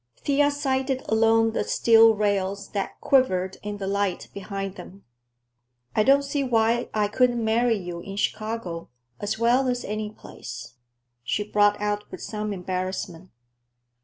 Thea sighted along the steel rails that quivered in the light behind them. "I don't see why I couldn't marry you in Chicago, as well as any place," she brought out with some embarrassment.